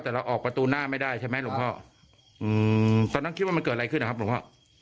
แต่เราออกประตูหน้าไม่ได้ใช่ไหมหลวงพ่ออืมตอนนั้นคิดว่ามันเกิดอะไรขึ้นนะครับหลวงพ่อ